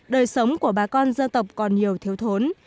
đời sống của bà con dân tộc còn nhiều thiếu thốn